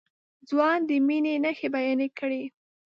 ځوان د مينې نښې بيان کړې.